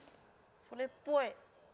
それっぽい。